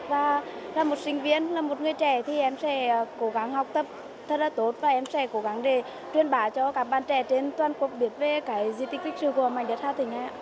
và là một sinh viên là một người trẻ thì em sẽ cố gắng học tập thật là tốt và em sẽ cố gắng để truyền bá cho các bạn trẻ trên toàn quốc biết về cái di tích lịch sử của mảnh đất hà tĩnh